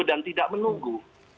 dan tidak menunggu